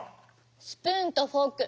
スプーンとフォーク